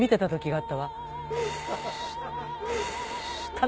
あっ。